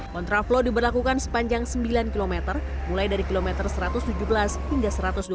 kontraflow diberlakukan sepanjang sembilan km mulai dari kilometer satu ratus tujuh belas hingga satu ratus delapan puluh